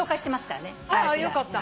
ああよかった。